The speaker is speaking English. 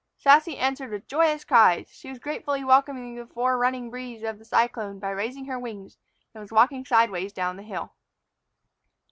Sassy answered with little joyous cries. She was gratefully welcoming the forerunning breeze of the cyclone by raising her wings, and was walking sidewise down the hill.